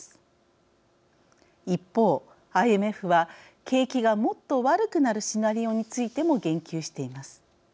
一方ＩＭＦは景気がもっと悪くなるシナリオについても言及しています。